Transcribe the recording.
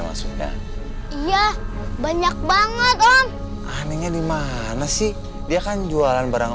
maksudnya iya banyak banget om anehnya di mana sih dia kan jualan barang